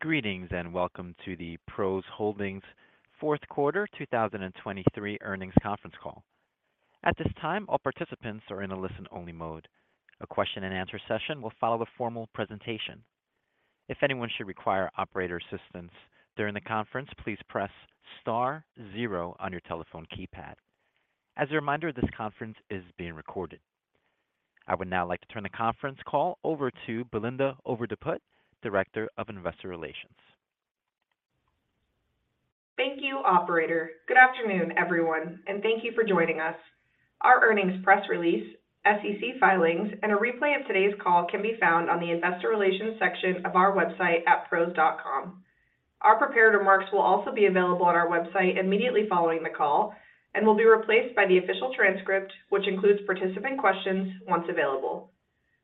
Greetings and welcome to the PROS Holdings fourth quarter 2023 earnings conference call. At this time, all participants are in a listen-only mode. A question-and-answer session will follow the formal presentation. If anyone should require operator assistance during the conference, please press star zero on your telephone keypad. As a reminder, this conference is being recorded. I would now like to turn the conference call over to Belinda Overdeput, Director of Investor Relations. Thank you, Operator. Good afternoon, everyone, and thank you for joining us. Our earnings press release, SEC filings, and a replay of today's call can be found on the Investor Relations section of our website at pros.com. Our prepared remarks will also be available on our website immediately following the call and will be replaced by the official transcript, which includes participant questions once available.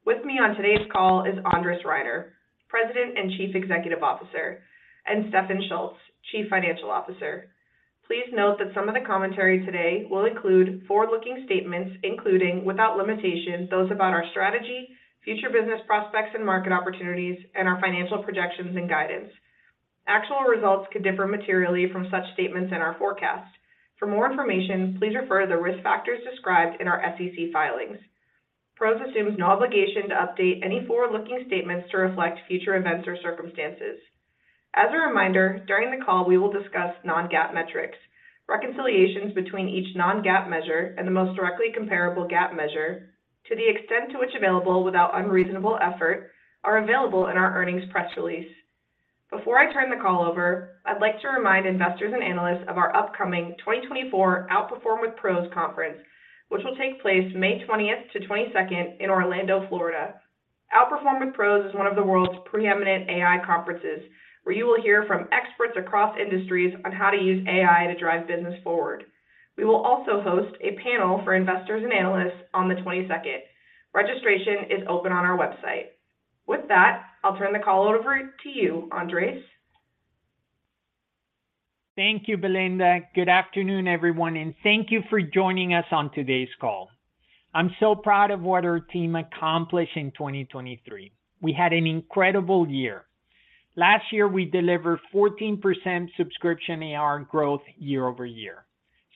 With me on today's call is Andres Reiner, President and Chief Executive Officer, and Stefan Schulz, Chief Financial Officer. Please note that some of the commentary today will include forward-looking statements, including without limitation those about our strategy, future business prospects and market opportunities, and our financial projections and guidance. Actual results could differ materially from such statements in our forecast. For more information, please refer to the risk factors described in our SEC filings. PROS assumes no obligation to update any forward-looking statements to reflect future events or circumstances. As a reminder, during the call we will discuss non-GAAP metrics. Reconciliations between each non-GAAP measure and the most directly comparable GAAP measure, to the extent to which available without unreasonable effort, are available in our earnings press release. Before I turn the call over, I'd like to remind investors and analysts of our upcoming 2024 Outperform with PROS conference, which will take place May 20th to 22nd in Orlando, Florida. Outperform with PROS is one of the world's preeminent AI conferences, where you will hear from experts across industries on how to use AI to drive business forward. We will also host a panel for investors and analysts on the 22nd. Registration is open on our website. With that, I'll turn the call over to you, Andres. Thank you, Belinda. Good afternoon, everyone, and thank you for joining us on today's call. I'm so proud of what our team accomplished in 2023. We had an incredible year. Last year we delivered 14% subscription AR growth year-over-year,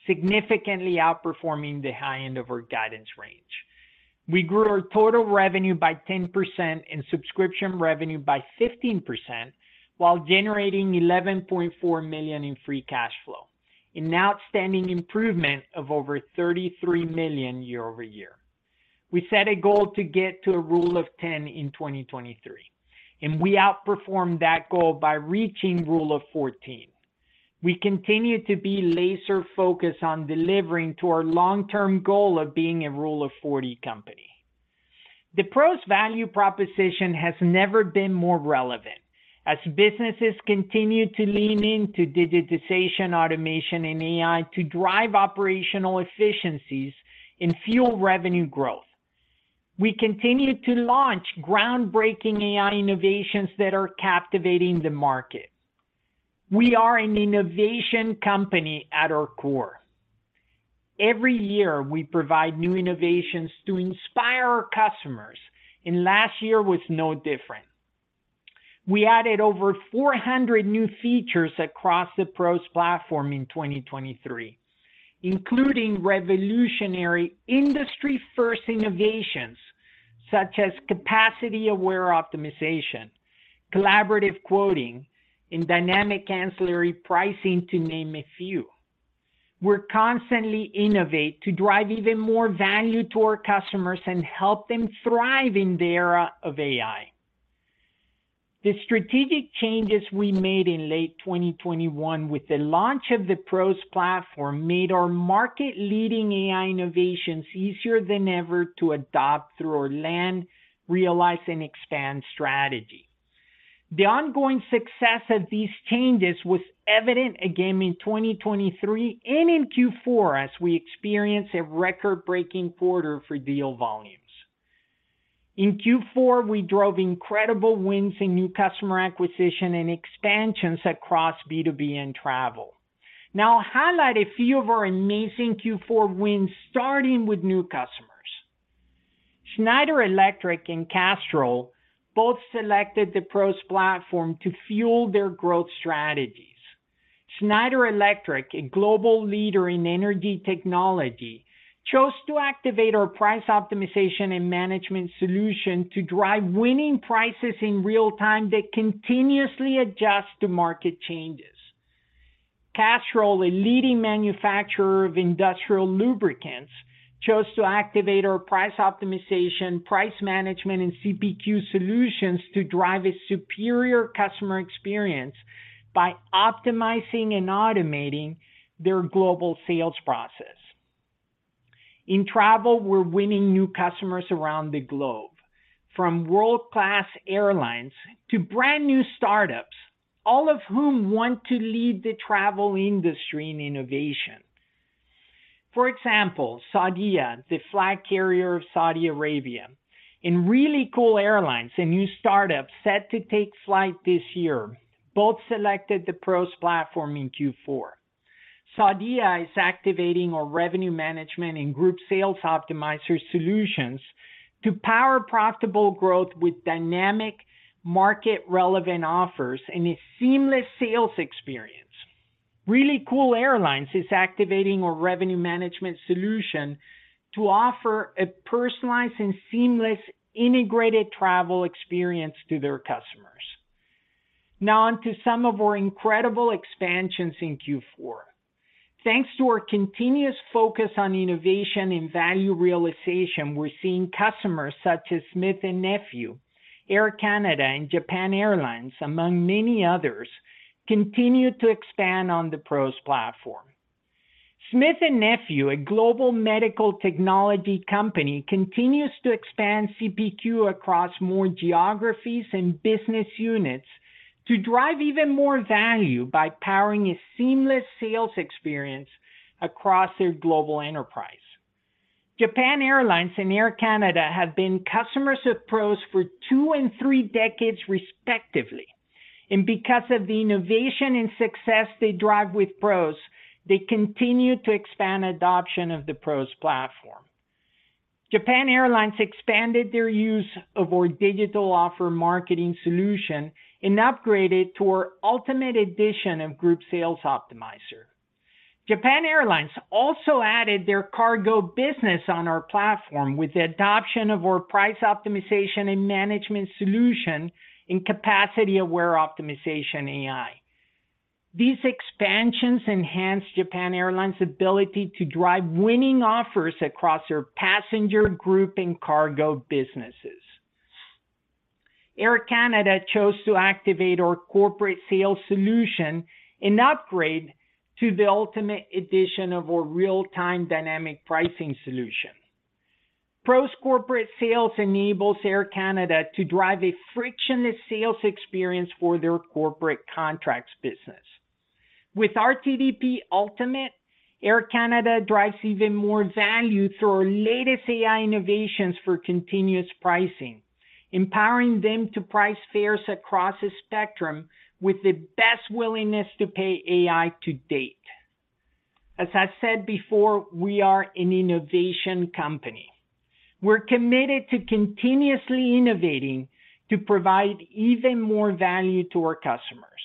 significantly outperforming the high end of our guidance range. We grew our total revenue by 10% and subscription revenue by 15%, while generating $11.4 million in free cash flow, an outstanding improvement of over $33 million year-over-year. We set a goal to get to a Rule of 10 in 2023, and we outperformed that goal by reaching Rule of 14. We continue to be laser-focused on delivering to our long-term goal of being a Rule of 40 company. The PROS value proposition has never been more relevant, as businesses continue to lean into digitization, automation, and AI to drive operational efficiencies and fuel revenue growth. We continue to launch groundbreaking AI innovations that are captivating the market. We are an innovation company at our core. Every year we provide new innovations to inspire our customers, and last year was no different. We added over 400 new features across the PROS platform in 2023, including revolutionary, industry-first innovations such as Capacity-Aware Optimization, Collaborative Quoting, and Dynamic Ancillary Pricing, to name a few. We're constantly innovating to drive even more value to our customers and help them thrive in the era of AI. The strategic changes we made in late 2021 with the launch of the PROS platform made our market-leading AI innovations easier than ever to adopt through our land, realize, and expand strategy. The ongoing success of these changes was evident again in 2023 and in Q4, as we experienced a record-breaking quarter for deal volumes. In Q4, we drove incredible wins in new customer acquisition and expansions across B2B and travel. Now, I'll highlight a few of our amazing Q4 wins, starting with new customers. Schneider Electric and Castrol both selected the PROS platform to fuel their growth strategies. Schneider Electric, a global leader in energy technology, chose to activate our price optimization and management solution to drive winning prices in real time that continuously adjust to market changes. Castrol, a leading manufacturer of industrial lubricants, chose to activate our price optimization, price management, and CPQ solutions to drive a superior customer experience by optimizing and automating their global sales process. In travel, we're winning new customers around the globe, from world-class airlines to brand-new startups, all of whom want to lead the travel industry in innovation. For example, Saudia, the flag carrier of Saudi Arabia, and Really Cool Airlines, a new startup set to take flight this year, both selected the PROS platform in Q4. Saudia is activating our revenue management and group sales optimizer solutions to power profitable growth with dynamic, market-relevant offers and a seamless sales experience. Really Cool Airlines is activating our revenue management solution to offer a personalized and seamless integrated travel experience to their customers. Now, onto some of our incredible expansions in Q4. Thanks to our continuous focus on innovation and value realization, we're seeing customers such as Smith & Nephew, Air Canada, and Japan Airlines, among many others, continue to expand on the PROS platform. Smith & Nephew, a global medical technology company, continues to expand CPQ across more geographies and business units to drive even more value by powering a seamless sales experience across their global enterprise. Japan Airlines and Air Canada have been customers of PROS for two and three decades, respectively. Because of the innovation and success they drive with PROS, they continue to expand adoption of the PROS platform. Japan Airlines expanded their use of our Digital Offer Marketing solution and upgraded to our Ultimate edition of Group Sales Optimizer. Japan Airlines also added their cargo business on our platform with the adoption of our Price Optimization and Management solution and Capacity-Aware Optimization AI. These expansions enhance Japan Airlines' ability to drive winning offers across their passenger, group, and cargo businesses. Air Canada chose to activate our Corporate Sales solution and upgrade to the Ultimate edition of our Real-Time Dynamic Pricing solution. PROS Corporate Sales enables Air Canada to drive a frictionless sales experience for their corporate contracts business. With our RDP Ultimate, Air Canada drives even more value through our latest AI innovations for continuous pricing, empowering them to price fares across a spectrum with the best willingness to pay AI to date. As I said before, we are an innovation company. We're committed to continuously innovating to provide even more value to our customers.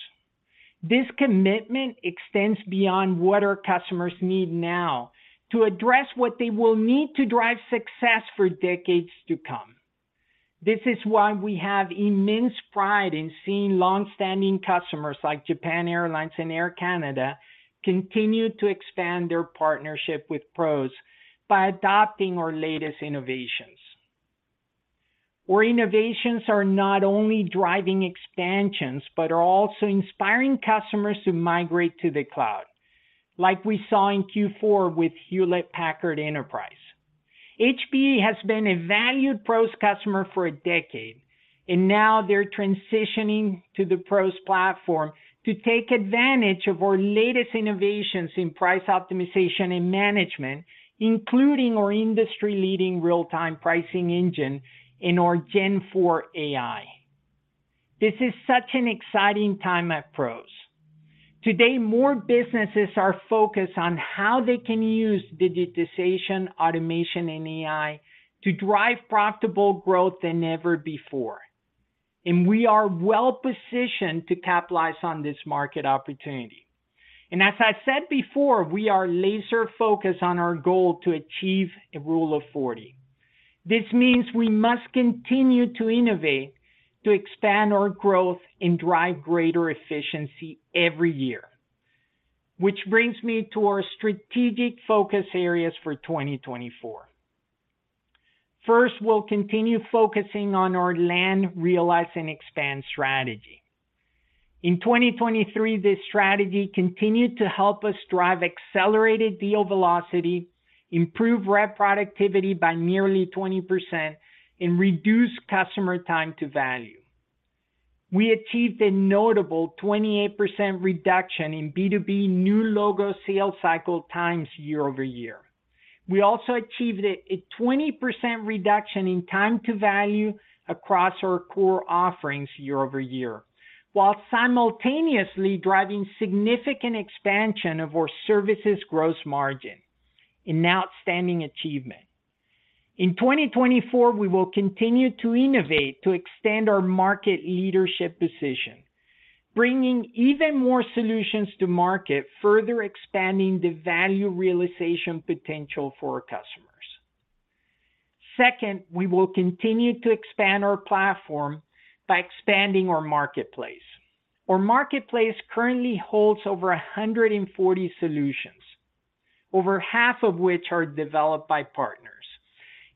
This commitment extends beyond what our customers need now to address what they will need to drive success for decades to come. This is why we have immense pride in seeing longstanding customers like Japan Airlines and Air Canada continue to expand their partnership with PROS by adopting our latest innovations. Our innovations are not only driving expansions but are also inspiring customers to migrate to the cloud, like we saw in Q4 with Hewlett Packard Enterprise. HPE has been a valued PROS customer for a decade, and now they're transitioning to the PROS platform to take advantage of our latest innovations in price optimization and management, including our industry-leading Real-Time Pricing Engine and our Gen 4 AI. This is such an exciting time at PROS. Today, more businesses are focused on how they can use digitization, automation, and AI to drive profitable growth than ever before. We are well positioned to capitalize on this market opportunity. As I said before, we are laser-focused on our goal to achieve a Rule of 40. This means we must continue to innovate to expand our growth and drive greater efficiency every year, which brings me to our strategic focus areas for 2024. First, we'll continue focusing on our Land, Realize, and Expand strategy. In 2023, this strategy continued to help us drive accelerated deal velocity, improve rep productivity by nearly 20%, and reduce customer time to value. We achieved a notable 28% reduction in B2B new logo sales cycle times year-over-year. We also achieved a 20% reduction in time to value across our core offerings year-over-year, while simultaneously driving significant expansion of our services gross margin. An outstanding achievement. In 2024, we will continue to innovate to extend our market leadership position, bringing even more solutions to market, further expanding the value realization potential for our customers. Second, we will continue to expand our platform by expanding our marketplace. Our marketplace currently holds over 140 solutions, over half of which are developed by partners.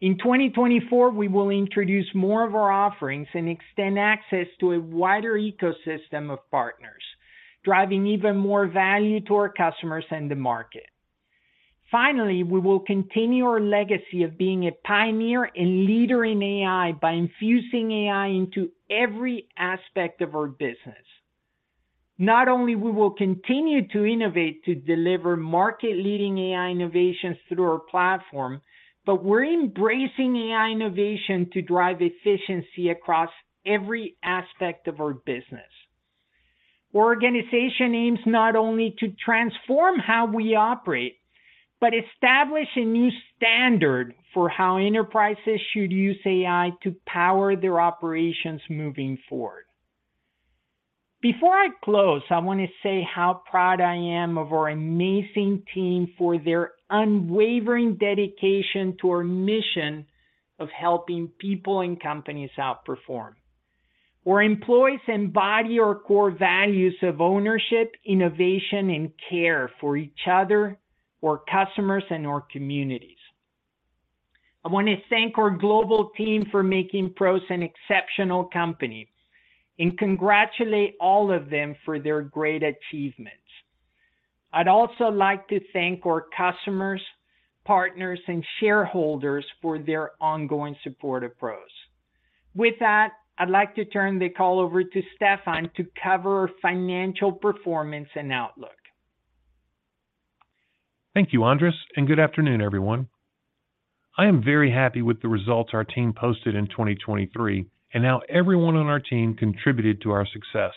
In 2024, we will introduce more of our offerings and extend access to a wider ecosystem of partners, driving even more value to our customers and the market. Finally, we will continue our legacy of being a pioneer and leader in AI by infusing AI into every aspect of our business. Not only will we continue to innovate to deliver market-leading AI innovations through our platform, but we're embracing AI innovation to drive efficiency across every aspect of our business. Our organization aims not only to transform how we operate, but establish a new standard for how enterprises should use AI to power their operations moving forward. Before I close, I want to say how proud I am of our amazing team for their unwavering dedication to our mission of helping people and companies outperform. Our employees embody our core values of Ownership, Innovation, and Care for each other, our customers, and our communities. I want to thank our global team for making PROS an exceptional company, and congratulate all of them for their great achievements. I'd also like to thank our customers, partners, and shareholders for their ongoing support of PROS. With that, I'd like to turn the call over to Stefan to cover our financial performance and outlook. Thank you, Andres, and good afternoon, everyone. I am very happy with the results our team posted in 2023 and how everyone on our team contributed to our success.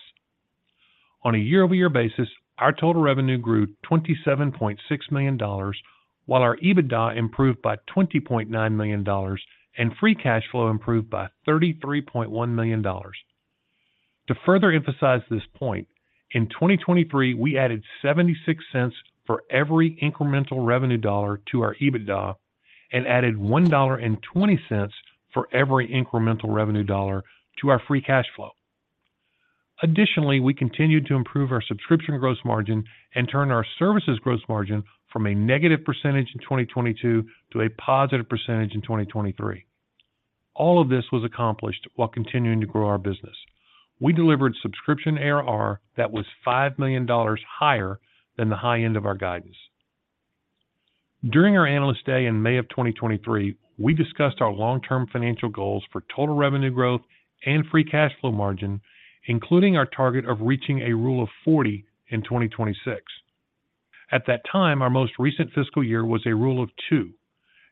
On a year-over-year basis, our total revenue grew $27.6 million, while our EBITDA improved by $20.9 million and free cash flow improved by $33.1 million. To further emphasize this point, in 2023, we added $0.76 for every incremental revenue dollar to our EBITDA and added $1.20 for every incremental revenue dollar to our free cash flow. Additionally, we continued to improve our subscription gross margin and turn our services gross margin from a negative percentage in 2022 to a positive percentage in 2023. All of this was accomplished while continuing to grow our business. We delivered subscription ARR that was $5 million higher than the high end of our guidance. During our analyst day in May of 2023, we discussed our long-term financial goals for total revenue growth and free cash flow margin, including our target of reaching a Rule of 40 in 2026. At that time, our most recent fiscal year was a Rule of 2,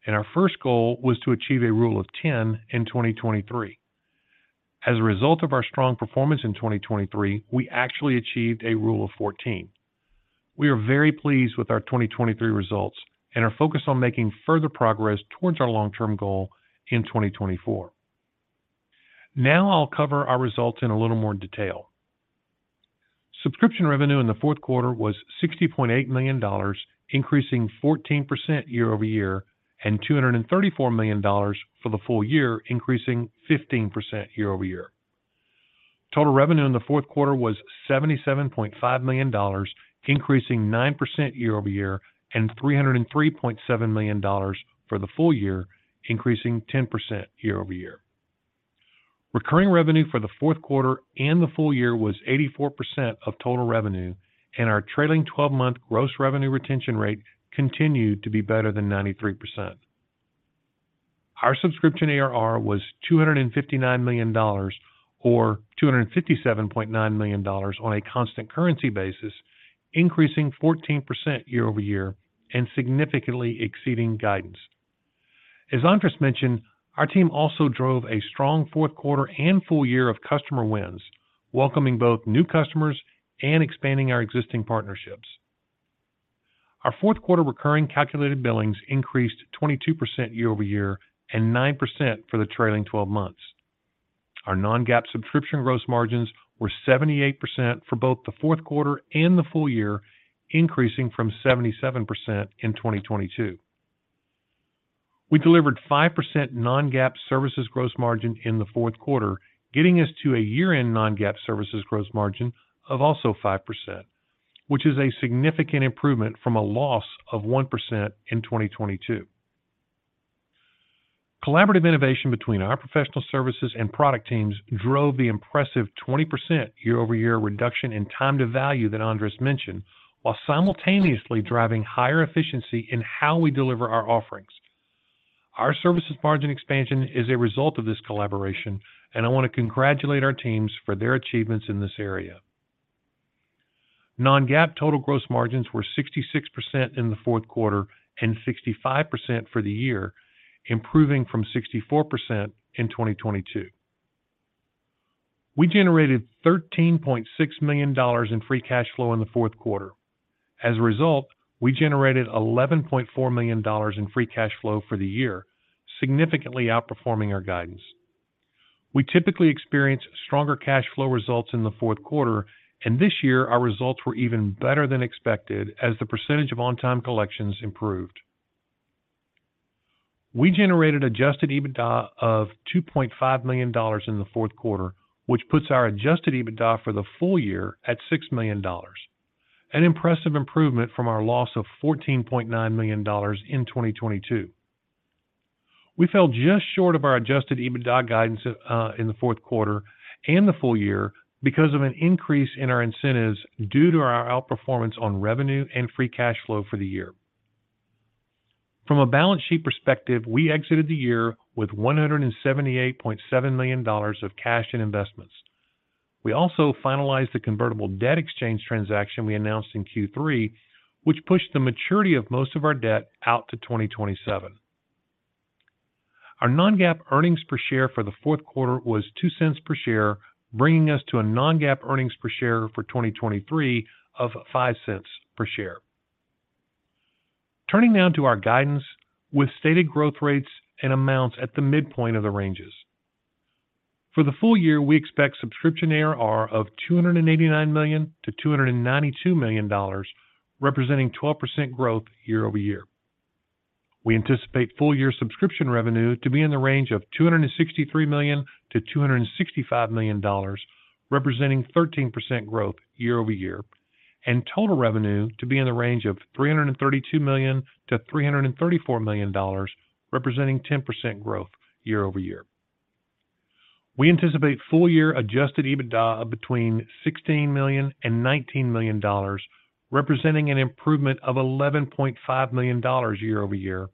and our first goal was to achieve a Rule of 10 in 2023. As a result of our strong performance in 2023, we actually achieved a Rule of 14. We are very pleased with our 2023 results and are focused on making further progress towards our long-term goal in 2024. Now I'll cover our results in a little more detail. Subscription revenue in the fourth quarter was $60.8 million, increasing 14% year-over-year, and $234 million for the full year, increasing 15% year-over-year. Total revenue in the fourth quarter was $77.5 million, increasing 9% year-over-year, and $303.7 million for the full year, increasing 10% year-over-year. Recurring revenue for the fourth quarter and the full year was 84% of total revenue, and our trailing 12-month gross revenue retention rate continued to be better than 93%. Our subscription ARR was $259 million or $257.9 million on a constant currency basis, increasing 14% year-over-year and significantly exceeding guidance. As Andres mentioned, our team also drove a strong fourth quarter and full year of customer wins, welcoming both new customers and expanding our existing partnerships. Our fourth quarter recurring calculated billings increased 22% year-over-year and 9% for the trailing 12 months. Our non-GAAP subscription gross margins were 78% for both the fourth quarter and the full year, increasing from 77% in 2022. We delivered 5% non-GAAP services gross margin in the fourth quarter, getting us to a year-end non-GAAP services gross margin of also 5%, which is a significant improvement from a loss of 1% in 2022. Collaborative innovation between our professional services and product teams drove the impressive 20% year-over-year reduction in time to value that Andres mentioned, while simultaneously driving higher efficiency in how we deliver our offerings. Our services margin expansion is a result of this collaboration, and I want to congratulate our teams for their achievements in this area. Non-GAAP total gross margins were 66% in the fourth quarter and 65% for the year, improving from 64% in 2022. We generated $13.6 million in free cash flow in the fourth quarter. As a result, we generated $11.4 million in free cash flow for the year, significantly outperforming our guidance. We typically experience stronger cash flow results in the fourth quarter, and this year our results were even better than expected as the percentage of on-time collections improved. We generated adjusted EBITDA of $2.5 million in the fourth quarter, which puts our adjusted EBITDA for the full year at $6 million, an impressive improvement from our loss of $14.9 million in 2022. We fell just short of our adjusted EBITDA guidance in the fourth quarter and the full year because of an increase in our incentives due to our outperformance on revenue and free cash flow for the year. From a balance sheet perspective, we exited the year with $178.7 million of cash and investments. We also finalized the convertible debt exchange transaction we announced in Q3, which pushed the maturity of most of our debt out to 2027. Our non-GAAP earnings per share for the fourth quarter was $0.02 per share, bringing us to a non-GAAP earnings per share for 2023 of $0.05 per share. Turning now to our guidance, we've stated growth rates and amounts at the midpoint of the ranges. For the full year, we expect subscription ARR of $289 million-$292 million, representing 12% growth year-over-year. We anticipate full-year subscription revenue to be in the range of $263 million-$265 million, representing 13% growth year-over-year, and total revenue to be in the range of $332 million-$334 million, representing 10% growth year-over-year. We anticipate full-year Adjusted EBITDA between $16 million and $19 million, representing an improvement of $11.5 million year-over-year,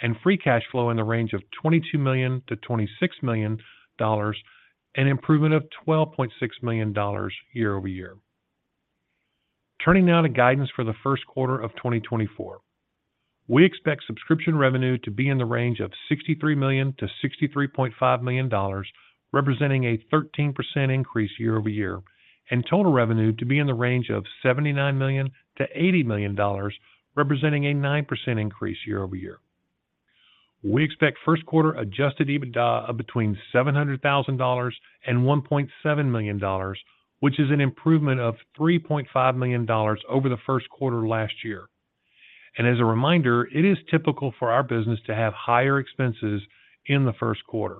and free cash flow in the range of $22 million-$26 million, an improvement of $12.6 million year-over-year. Turning now to guidance for the first quarter of 2024. We expect subscription revenue to be in the range of $63 million-$63.5 million, representing a 13% increase year-over-year, and total revenue to be in the range of $79 million-$80 million, representing a 9% increase year-over-year. We expect first quarter Adjusted EBITDA between $700,000 and $1.7 million, which is an improvement of $3.5 million over the first quarter last year. As a reminder, it is typical for our business to have higher expenses in the first quarter.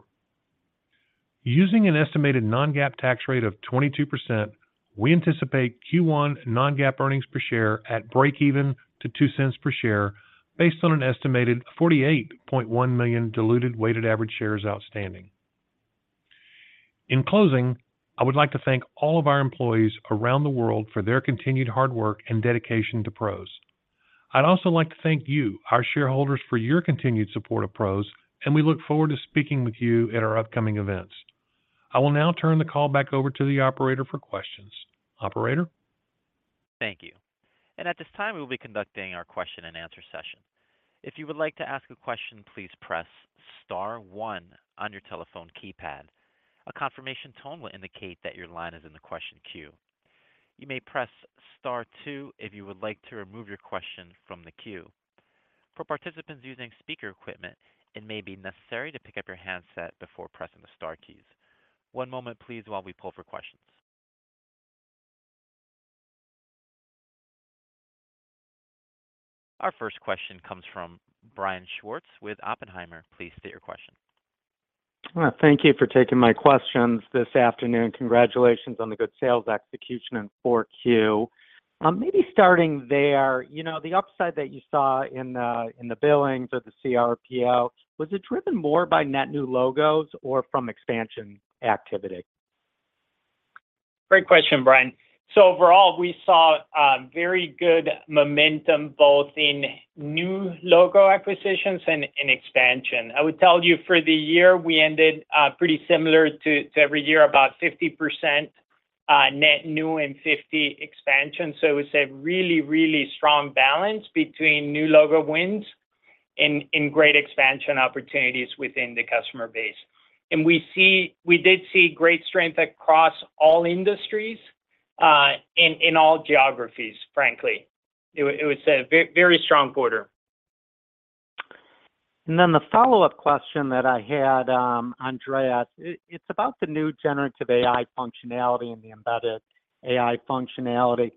Using an estimated non-GAAP tax rate of 22%, we anticipate Q1 non-GAAP earnings per share at break-even to $0.02 per share, based on an estimated 48.1 million diluted weighted average shares outstanding. In closing, I would like to thank all of our employees around the world for their continued hard work and dedication to PROS. I'd also like to thank you, our shareholders, for your continued support of PROS, and we look forward to speaking with you at our upcoming events. I will now turn the call back over to the Operator for questions. Operator? Thank you. At this time, we will be conducting our question-and-answer session. If you would like to ask a question, please press star one on your telephone keypad. A confirmation tone will indicate that your line is in the question queue. You may press star two if you would like to remove your question from the queue. For participants using speaker equipment, it may be necessary to pick up your handset before pressing the star keys. One moment, please, while we pull for questions. Our first question comes from Brian Schwartz with Oppenheimer. Please state your question. Thank you for taking my questions this afternoon. Congratulations on the good sales execution in 4Q. Maybe starting there, the upside that you saw in the billings or the CRPO, was it driven more by net new logos or from expansion activity? Great question, Brian. So overall, we saw very good momentum both in new logo acquisitions and expansion. I would tell you for the year, we ended pretty similar to every year, about 50% net new and 50% expansion. So it was a really, really strong balance between new logo wins and great expansion opportunities within the customer base. And we did see great strength across all industries in all geographies, frankly. It was a very strong quarter. And then the follow-up question that I had, Andres, it's about the new generative AI functionality and the embedded AI functionality.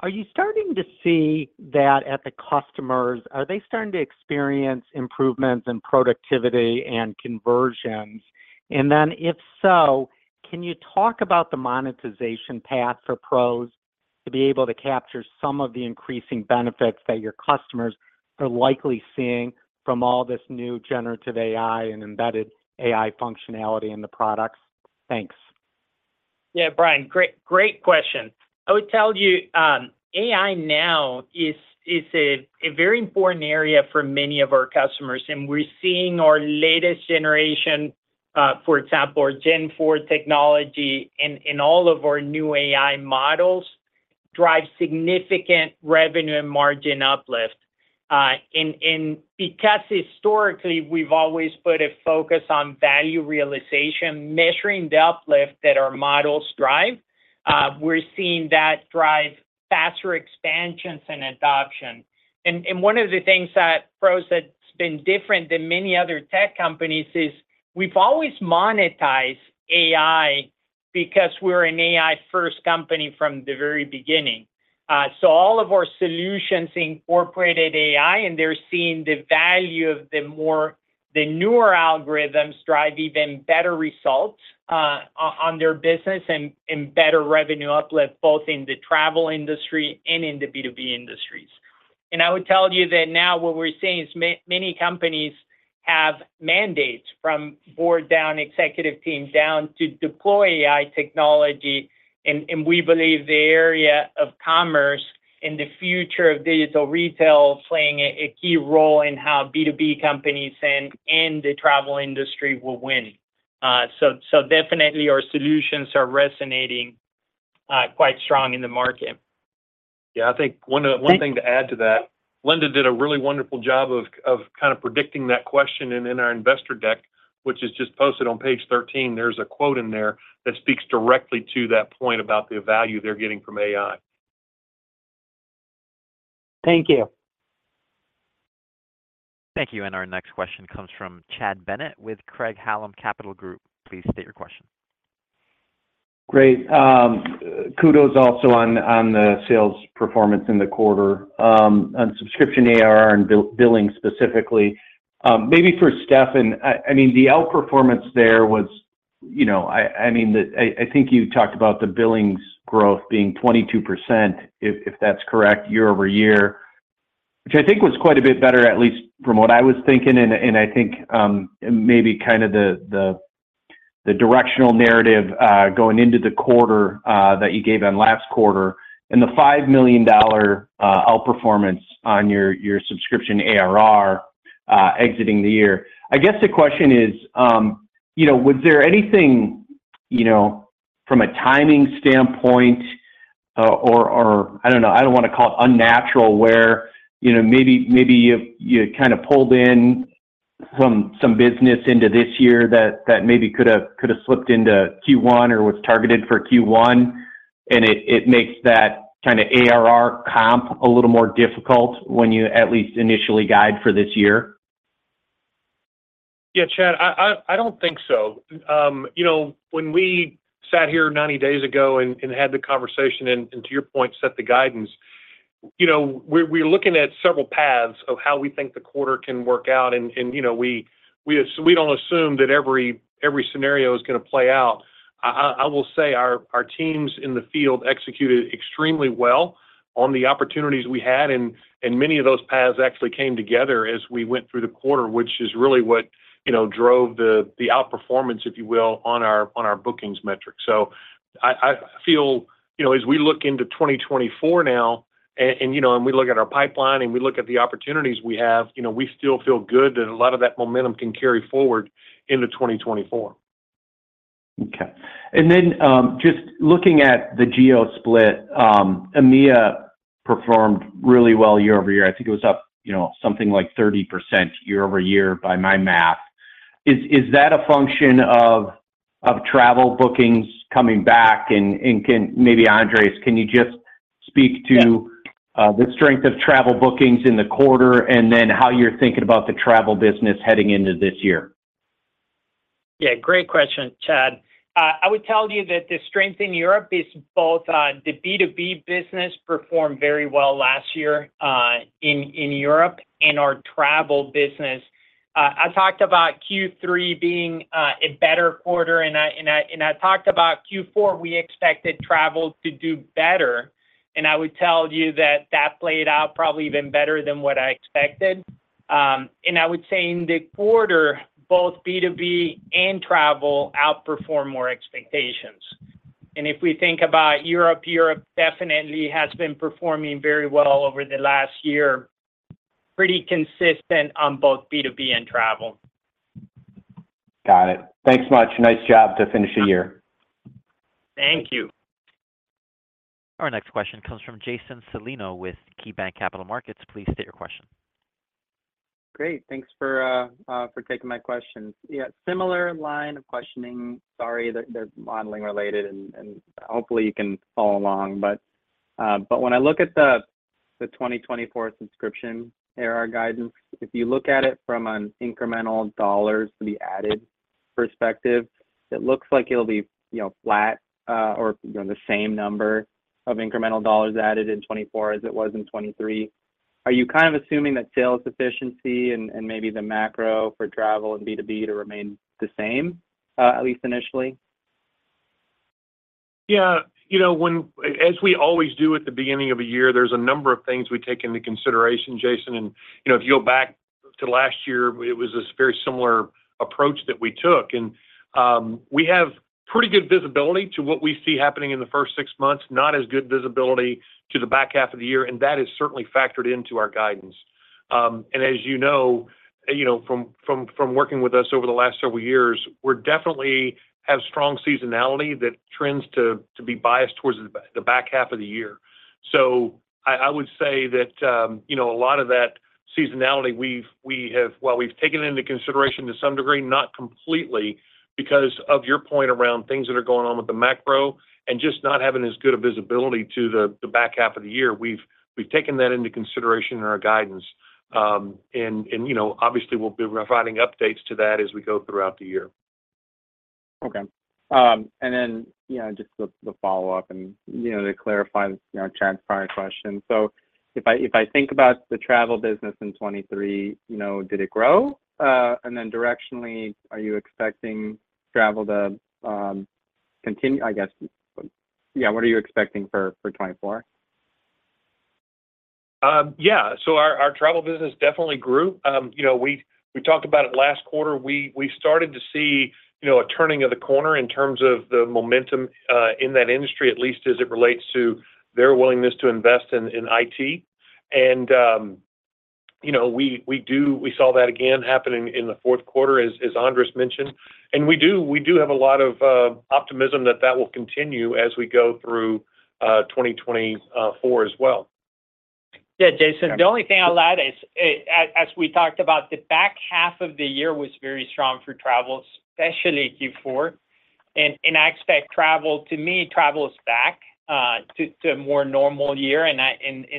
Are you starting to see that at the customers, are they starting to experience improvements in productivity and conversions? And then if so, can you talk about the monetization path for PROS to be able to capture some of the increasing benefits that your customers are likely seeing from all this new Generative AI and Embedded AI functionality in the products? Thanks. Yeah, Brian, great question. I would tell you AI now is a very important area for many of our customers, and we're seeing our latest generation, for example, our Gen 4 technology in all of our new AI models drive significant revenue and margin uplift. And because historically, we've always put a focus on value realization, measuring the uplift that our models drive, we're seeing that drive faster expansions and adoption. And one of the things that PROS that's been different than many other tech companies is we've always monetized AI because we're an AI-first company from the very beginning. So all of our solutions incorporated AI, and they're seeing the value of the newer algorithms drive even better results on their business and better revenue uplift both in the travel industry and in the B2B industries. I would tell you that now what we're seeing is many companies have mandates from board down, executive team down to deploy AI technology. We believe the area of commerce and the future of digital retail playing a key role in how B2B companies and the travel industry will win. Definitely our solutions are resonating quite strong in the market. Yeah, I think one thing to add to that. Linda did a really wonderful job of kind of predicting that question, and in our investor deck, which is just posted on page 13, there's a quote in there that speaks directly to that point about the value they're getting from AI. Thank you. Thank you. And our next question comes from Chad Bennett with Craig-Hallum Capital Group. Please state your question. Great. Kudos also on the sales performance in the quarter, on subscription ARR and billing specifically. Maybe for Stefan, I mean, the outperformance there was I mean, I think you talked about the billings growth being 22%, if that's correct, year-over-year, which I think was quite a bit better, at least from what I was thinking. And I think maybe kind of the directional narrative going into the quarter that you gave on last quarter and the $5 million outperformance on your subscription ARR exiting the year. I guess the question is, was there anything from a timing standpoint or I don't know, I don't want to call it unnatural where maybe you kind of pulled in some business into this year that maybe could have slipped into Q1 or was targeted for Q1, and it makes that kind of ARR comp a little more difficult when you at least initially guide for this year? Yeah, Chad, I don't think so. When we sat here 90 days ago and had the conversation and to your point, set the guidance, we're looking at several paths of how we think the quarter can work out. And we don't assume that every scenario is going to play out. I will say our teams in the field executed extremely well on the opportunities we had, and many of those paths actually came together as we went through the quarter, which is really what drove the outperformance, if you will, on our bookings metrics. So I feel as we look into 2024 now and we look at our pipeline and we look at the opportunities we have, we still feel good that a lot of that momentum can carry forward into 2024. Okay. And then just looking at the geo split, EMEA performed really well year-over-year. I think it was up something like 30% year-over-year by my math. Is that a function of travel bookings coming back? And maybe Andres, can you just speak to the strength of travel bookings in the quarter and then how you're thinking about the travel business heading into this year? Yeah, great question, Chad. I would tell you that the strength in Europe is both the B2B business performed very well last year in Europe and our travel business. I talked about Q3 being a better quarter, and I talked about Q4 we expected travel to do better. I would tell you that that played out probably even better than what I expected. I would say in the quarter, both B2B and travel outperformed our expectations. If we think about Europe, Europe definitely has been performing very well over the last year, pretty consistent on both B2B and travel. Got it. Thanks much. Nice job to finish the year. Thank you. Our next question comes from Jason Celino with KeyBanc Capital Markets. Please state your question. Great. Thanks for taking my questions. Yeah, similar line of questioning. Sorry, they're modeling-related, and hopefully you can follow along. But when I look at the 2024 subscription ARR guidance, if you look at it from an incremental dollars to be added perspective, it looks like it'll be flat or the same number of incremental dollars added in 2024 as it was in 2023. Are you kind of assuming that sales efficiency and maybe the macro for travel and B2B to remain the same, at least initially? Yeah. As we always do at the beginning of a year, there's a number of things we take into consideration, Jason. And if you go back to last year, it was a very similar approach that we took. And we have pretty good visibility to what we see happening in the first six months, not as good visibility to the back half of the year. And that is certainly factored into our guidance. And as you know, from working with us over the last several years, we definitely have strong seasonality that trends to be biased towards the back half of the year. So I would say that a lot of that seasonality, while we've taken it into consideration to some degree, not completely because of your point around things that are going on with the macro and just not having as good a visibility to the back half of the year, we've taken that into consideration in our guidance. And obviously, we'll be providing updates to that as we go throughout the year. Okay. And then just the follow-up and to clarify Chad's prior question. So if I think about the travel business in 2023, did it grow? And then directionally, are you expecting travel to continue? I guess, yeah, what are you expecting for 2024? Yeah. So our travel business definitely grew. We talked about it last quarter. We started to see a turning of the corner in terms of the momentum in that industry, at least as it relates to their willingness to invest in IT. And we saw that again happening in the fourth quarter, as Andres mentioned. And we do have a lot of optimism that that will continue as we go through 2024 as well. Yeah, Jason, the only thing I'll add is, as we talked about, the back half of the year was very strong for travel, especially Q4. And I expect travel to me, travel is back to a more normal year, and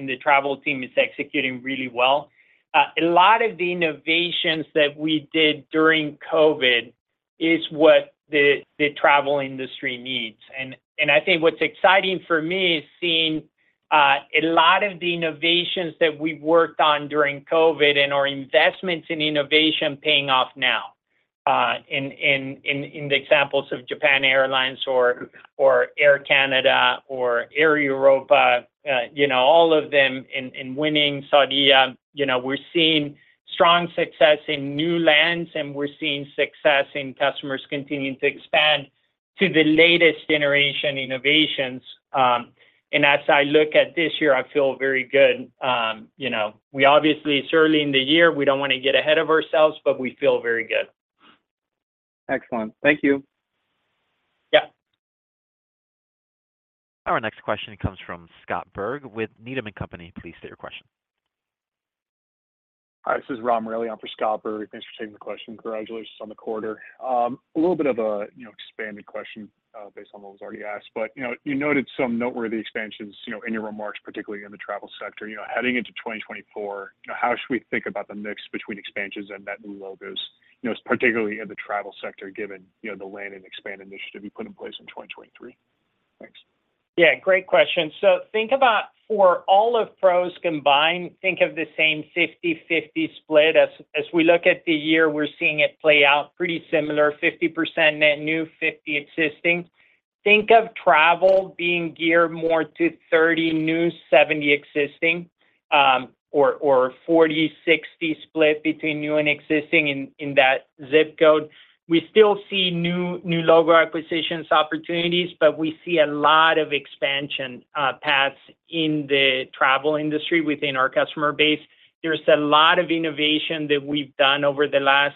the travel team is executing really well. A lot of the innovations that we did during COVID is what the travel industry needs. And I think what's exciting for me is seeing a lot of the innovations that we worked on during COVID and our investments in innovation paying off now. In the examples of Japan Airlines or Air Canada or Air Europa, all of them in winning, Saudia, we're seeing strong success in new lands, and we're seeing success in customers continuing to expand to the latest generation innovations. And as I look at this year, I feel very good. We obviously, it's early in the year. We don't want to get ahead of ourselves, but we feel very good. Excellent. Thank you. Yeah. Our next question comes from Scott Berg with Needham & Company. Please state your question. Hi, this is Rob Morelli for Scott Berg. Thanks for taking the question. Congratulations on the quarter. A little bit of an expanded question based on what was already asked. But you noted some noteworthy expansions in your remarks, particularly in the travel sector. Heading into 2024, how should we think about the mix between expansions and net new logos, particularly in the travel sector given the land and expand initiative you put in place in 2023? Thanks. Yeah, great question. So think about for all of PROS combined, think of the same 50/50 split. As we look at the year, we're seeing it play out pretty similar, 50% net new, 50% existing. Think of travel being geared more to 30% new, 70% existing, or 40/60 split between new and existing in that zip code. We still see new logo acquisitions opportunities, but we see a lot of expansion paths in the travel industry within our customer base. There's a lot of innovation that we've done over the last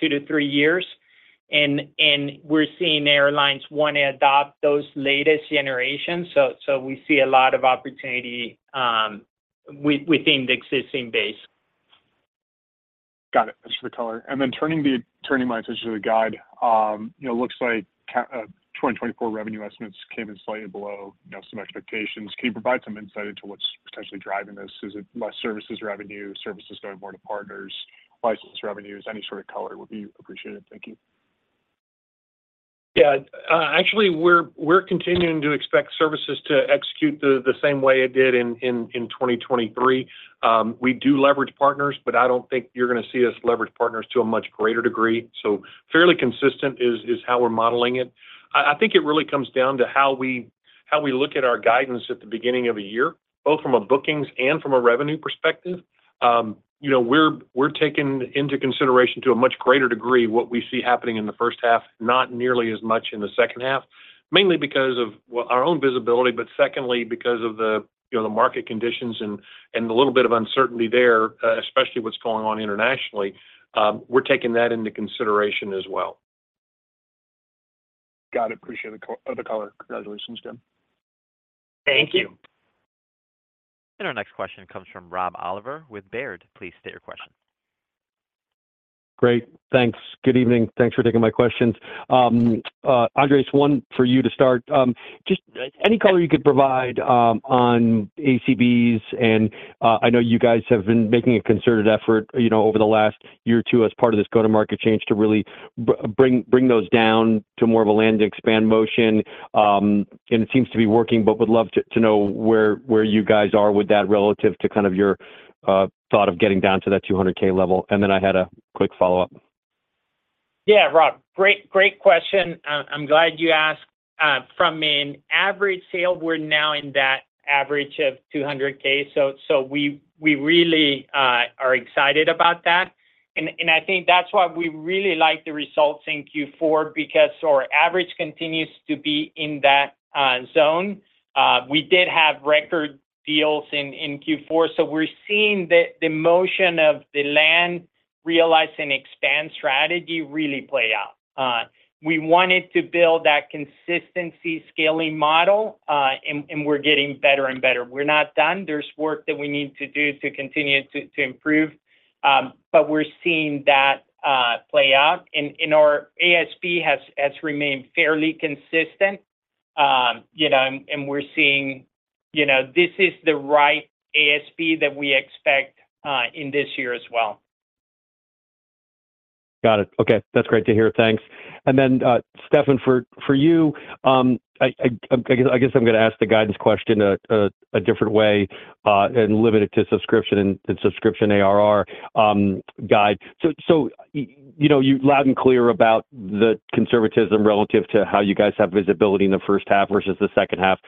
two to three years. And we're seeing airlines want to adopt those latest generations. So we see a lot of opportunity within the existing base. Got it. Thanks for the color. And then turning my attention to the guide, it looks like 2024 revenue estimates came in slightly below some expectations. Can you provide some insight into what's potentially driving this? Is it less services revenue, services going more to partners, license revenues? Any sort of color would be appreciated. Thank you. Yeah. Actually, we're continuing to expect services to execute the same way it did in 2023. We do leverage partners, but I don't think you're going to see us leverage partners to a much greater degree. So fairly consistent is how we're modeling it. I think it really comes down to how we look at our guidance at the beginning of a year, both from a bookings and from a revenue perspective. We're taking into consideration to a much greater degree what we see happening in the first half, not nearly as much in the second half, mainly because of our own visibility, but secondly, because of the market conditions and the little bit of uncertainty there, especially what's going on internationally. We're taking that into consideration as well. Got it. Appreciate the color. Congratulations, team. Thank you. Our next question comes from Rob Oliver with Baird. Please state your question. Great. Thanks. Good evening. Thanks for taking my questions. Andres, one for you to start. Just any color you could provide on ACVs. And I know you guys have been making a concerted effort over the last year or two as part of this go-to-market change to really bring those down to more of a land and expand motion. And it seems to be working, but would love to know where you guys are with that relative to kind of your thought of getting down to that 200,000 level. And then I had a quick follow-up. Yeah, Rob, great question. I'm glad you asked from me. In average sale, we're now in that average of $200K. So we really are excited about that. And I think that's why we really like the results in Q4 because our average continues to be in that zone. We did have record deals in Q4. So we're seeing the motion of the Land, Realize, and Expand strategy really play out. We wanted to build that consistency scaling model, and we're getting better and better. We're not done. There's work that we need to do to continue to improve. But we're seeing that play out. And our ASP has remained fairly consistent. And we're seeing this is the right ASP that we expect in this year as well. Got it. Okay. That's great to hear. Thanks. And then, Stefan, for you, I guess I'm going to ask the guidance question a different way and limit it to subscription and subscription ARR guide. So you're loud and clear about the conservatism relative to how you guys have visibility in the first half versus the second half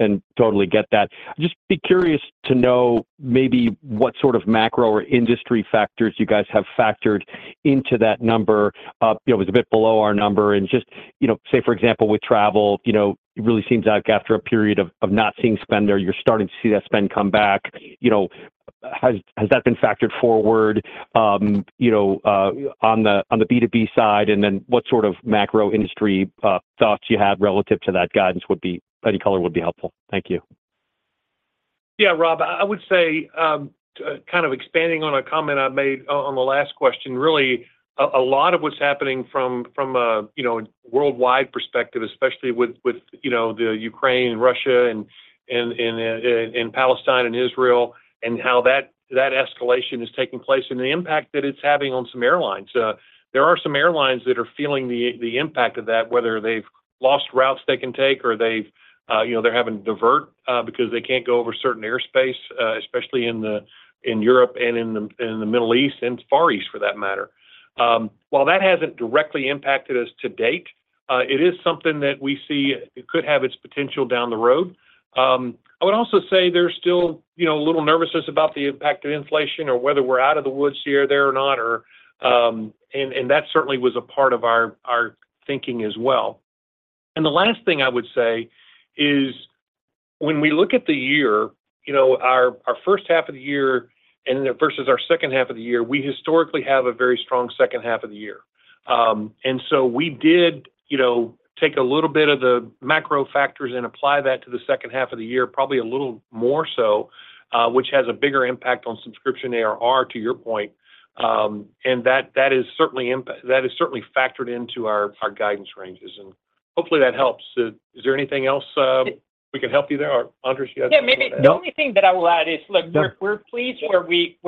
and totally get that. Just be curious to know maybe what sort of macro or industry factors you guys have factored into that number. It was a bit below our number. And just say, for example, with travel, it really seems like after a period of not seeing spend there, you're starting to see that spend come back. Has that been factored forward on the B2B side? And then what sort of macro industry thoughts you had relative to that guidance would be any color would be helpful. Thank you. Yeah, Rob, I would say kind of expanding on a comment I made on the last question, really, a lot of what's happening from a worldwide perspective, especially with the Ukraine and Russia and Palestine and Israel and how that escalation is taking place and the impact that it's having on some airlines. There are some airlines that are feeling the impact of that, whether they've lost routes they can take or they're having to divert because they can't go over certain airspace, especially in Europe and in the Middle East and Far East, for that matter. While that hasn't directly impacted us to date, it is something that we see it could have its potential down the road. I would also say there's still a little nervousness about the impact of inflation or whether we're out of the woods here or there or not. And that certainly was a part of our thinking as well. And the last thing I would say is when we look at the year, our first half of the year versus our second half of the year, we historically have a very strong second half of the year. And so we did take a little bit of the macro factors and apply that to the second half of the year, probably a little more so, which has a bigger impact on subscription ARR to your point. And that is certainly factored into our guidance ranges. And hopefully, that helps. Is there anything else we can help you there? Or Andres, you had something to say. Yeah. Maybe the only thing that I will add is, look, we're pleased where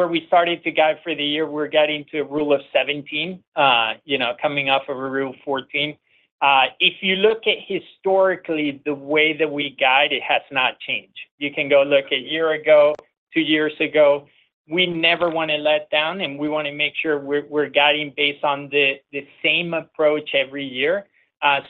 we started to guide for the year. We're getting to a Rule of 17 coming off of a Rule of 14. If you look at historically, the way that we guide, it has not changed. You can go look a year ago, two years ago. We never want to let down, and we want to make sure we're guiding based on the same approach every year.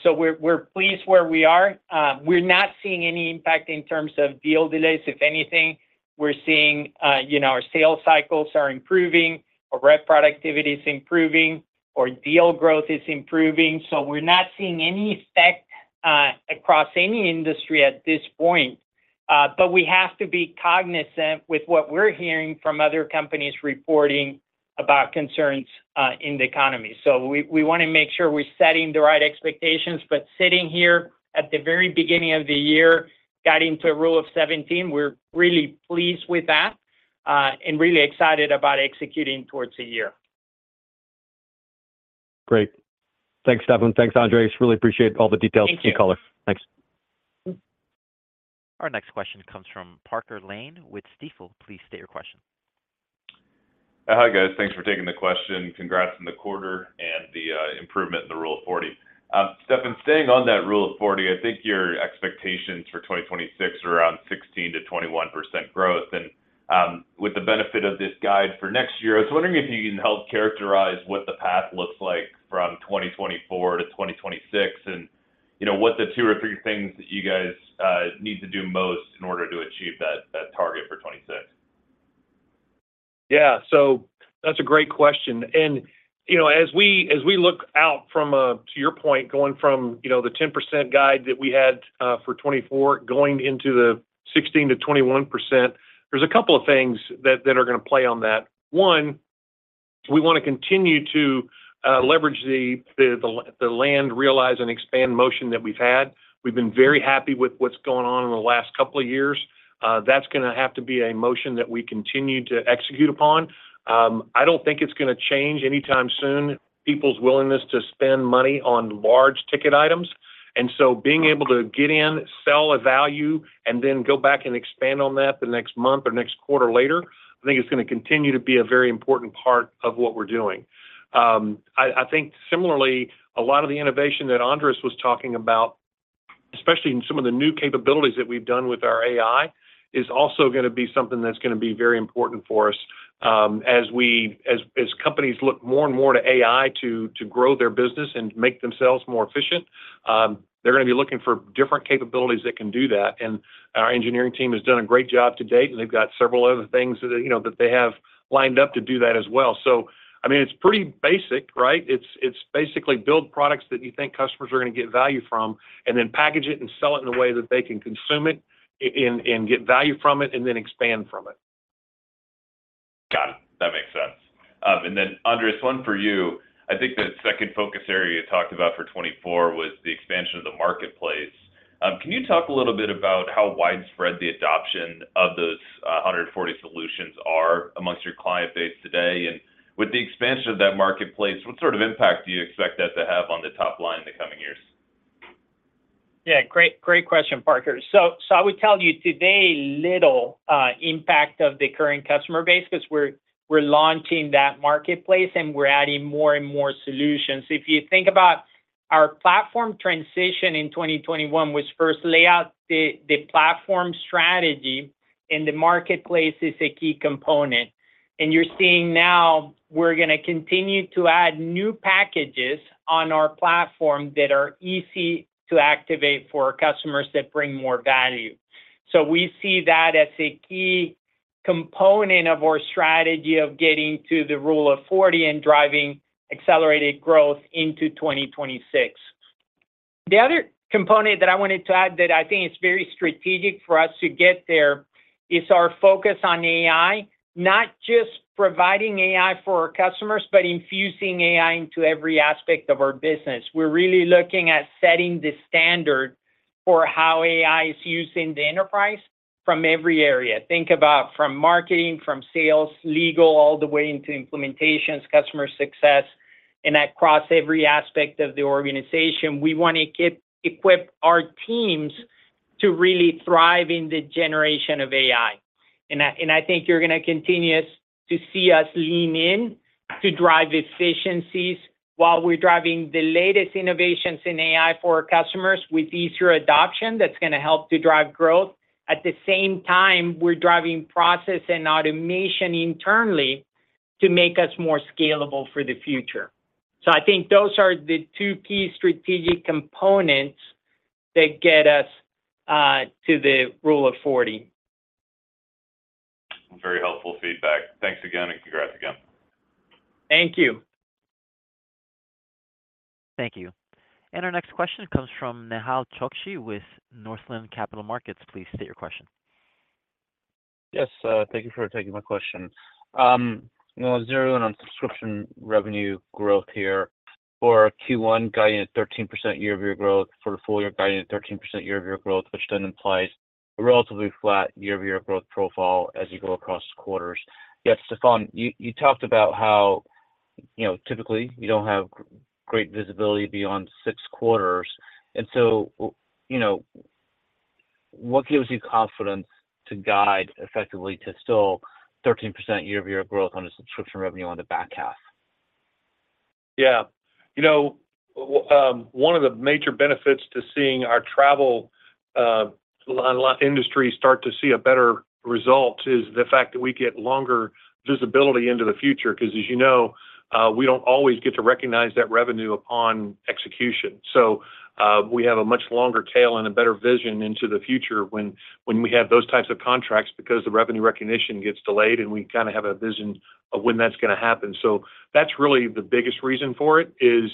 So we're pleased where we are. We're not seeing any impact in terms of deal delays. If anything, we're seeing our sales cycles are improving or rep productivity is improving or deal growth is improving. So we're not seeing any effect across any industry at this point. But we have to be cognizant with what we're hearing from other companies reporting about concerns in the economy. So we want to make sure we're setting the right expectations. But sitting here at the very beginning of the year, getting to a Rule of 17, we're really pleased with that and really excited about executing towards the year. Great. Thanks, Stefan. Thanks, Andres. Really appreciate all the details and color. Thank you. Thanks. Our next question comes from Parker Lane with Stifel. Please state your question. Hi, guys. Thanks for taking the question. Congrats on the quarter and the improvement in the Rule of 40. Stefan, staying on that Rule of 40, I think your expectations for 2026 are around 16%-21% growth. And with the benefit of this guide for next year, I was wondering if you can help characterize what the path looks like from 2024 to 2026 and what the two or three things that you guys need to do most in order to achieve that target for 2026? Yeah. So that's a great question. And as we look out from to your point, going from the 10% guide that we had for 2024 going into the 16%-21%, there's a couple of things that are going to play on that. One, we want to continue to leverage the Land, Realize, and Expand motion that we've had. We've been very happy with what's going on in the last couple of years. That's going to have to be a motion that we continue to execute upon. I don't think it's going to change anytime soon. People's willingness to spend money on large ticket items. And so being able to get in, sell a value, and then go back and expand on that the next month or next quarter later, I think it's going to continue to be a very important part of what we're doing. I think, similarly, a lot of the innovation that Andres was talking about, especially in some of the new capabilities that we've done with our AI, is also going to be something that's going to be very important for us. As companies look more and more to AI to grow their business and make themselves more efficient, they're going to be looking for different capabilities that can do that. Our engineering team has done a great job to date, and they've got several other things that they have lined up to do that as well. I mean, it's pretty basic, right? It's basically build products that you think customers are going to get value from, and then package it and sell it in a way that they can consume it and get value from it and then expand from it. Got it. That makes sense. And then, Andres, one for you. I think the second focus area you talked about for 2024 was the expansion of the marketplace. Can you talk a little bit about how widespread the adoption of those 140 solutions are amongst your client base today? And with the expansion of that marketplace, what sort of impact do you expect that to have on the top line in the coming years? Yeah. Great question, Parker. So I would tell you today, little impact of the current customer base because we're launching that marketplace, and we're adding more and more solutions. If you think about our platform transition in 2021, we first lay out the platform strategy, and the marketplace is a key component. And you're seeing now we're going to continue to add new packages on our platform that are easy to activate for customers that bring more value. So we see that as a key component of our strategy of getting to the Rule of 40 and driving accelerated growth into 2026. The other component that I wanted to add that I think is very strategic for us to get there is our focus on AI, not just providing AI for our customers, but infusing AI into every aspect of our business. We're really looking at setting the standard for how AI is used in the enterprise from every area. Think about from marketing, from sales, legal, all the way into implementations, customer success, and across every aspect of the organization. We want to equip our teams to really thrive in the generation of AI. And I think you're going to continue to see us lean in to drive efficiencies while we're driving the latest innovations in AI for our customers with easier adoption that's going to help to drive growth. At the same time, we're driving process and automation internally to make us more scalable for the future. I think those are the two key strategic components that get us to the Rule of 40. Very helpful feedback. Thanks again, and congrats again. Thank you. Thank you. And our next question comes from Nehal Chokshi with Northland Capital Markets. Please state your question. Yes. Thank you for taking my question. No, zero-in on subscription revenue growth here. For Q1, guiding at 13% year-over-year growth. For the full year, guiding at 13% year-over-year growth, which then implies a relatively flat year-over-year growth profile as you go across quarters. Yet, Stefan, you talked about how typically, you don't have great visibility beyond six quarters. And so what gives you confidence to guide effectively to still 13% year-over-year growth on the subscription revenue on the back half? Yeah. One of the major benefits to seeing our travel industry start to see a better result is the fact that we get longer visibility into the future because, as you know, we don't always get to recognize that revenue upon execution. So we have a much longer tail and a better vision into the future when we have those types of contracts because the revenue recognition gets delayed, and we kind of have a vision of when that's going to happen. So that's really the biggest reason for it is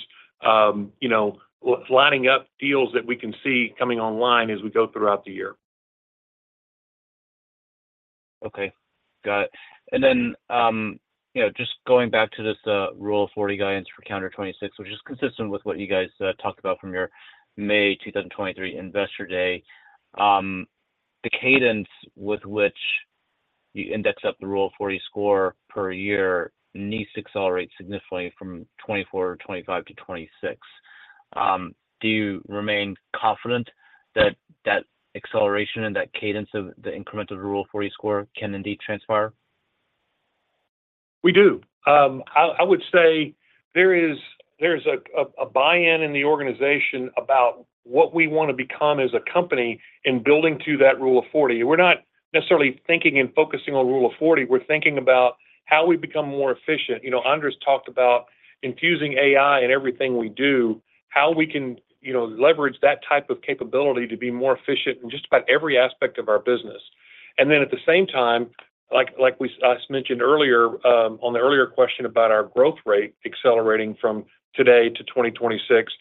lining up deals that we can see coming online as we go throughout the year. Okay. Got it. And then just going back to this Rule of 40 guidance for calendar 2026, which is consistent with what you guys talked about from your May 2023 Investor Day, the cadence with which you index up the Rule of 40 score per year needs to accelerate significantly from 2024, 2025, to 2026. Do you remain confident that that acceleration and that cadence of the incremental Rule of 40 score can indeed transpire? We do. I would say there is a buy-in in the organization about what we want to become as a company in building to that Rule of 40. We're not necessarily thinking and focusing on Rule of 40. We're thinking about how we become more efficient. Andres talked about infusing AI in everything we do, how we can leverage that type of capability to be more efficient in just about every aspect of our business. And then at the same time, like I mentioned earlier on the earlier question about our growth rate accelerating from today to 2026,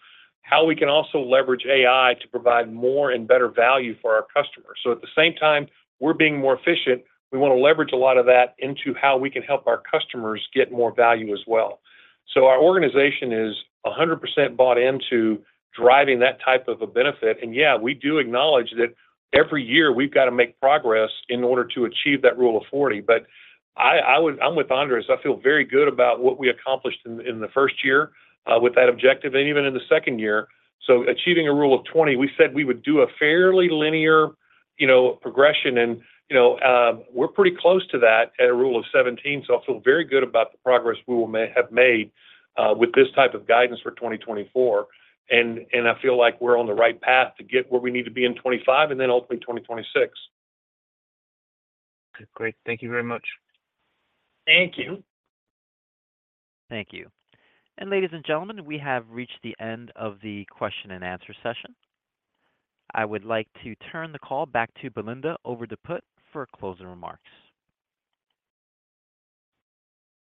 how we can also leverage AI to provide more and better value for our customers. So at the same time, we're being more efficient. We want to leverage a lot of that into how we can help our customers get more value as well. Our organization is 100% bought into driving that type of a benefit. Yeah, we do acknowledge that every year, we've got to make progress in order to achieve that Rule of 40. I'm with Andres. I feel very good about what we accomplished in the first year with that objective and even in the second year. Achieving a Rule of 20, we said we would do a fairly linear progression. We're pretty close to that at a Rule of 17. I feel very good about the progress we will have made with this type of guidance for 2024. I feel like we're on the right path to get where we need to be in 2025 and then ultimately 2026. Okay. Great. Thank you very much. Thank you. Thank you. Ladies and gentlemen, we have reached the end of the question-and-answer session. I would like to turn the call back to Belinda Overdeput for closing remarks.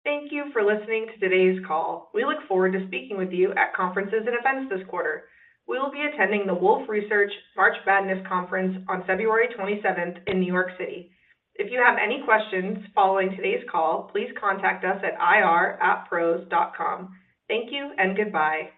Thank you for listening to today's call. We look forward to speaking with you at conferences and events this quarter. We will be attending the Wolfe Research March Madness Conference on February 27th in New York City. If you have any questions following today's call, please contact us at ir@pros.com. Thank you and goodbye.